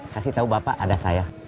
kasih tahu bapak ada saya